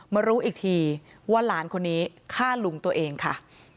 มารู้อีกทีว่าหลานคนนี้ฆ่าลุงตัวเองค่ะ